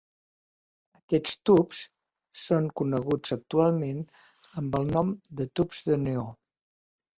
Aquests tubs són coneguts actualment amb el nom de tubs de neó.